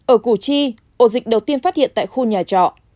ở củ chi ổ dịch đầu tiên phát hiện tại khu nhà trọ